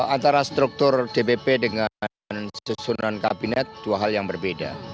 antara struktur dpp dengan susunan kabinet dua hal yang berbeda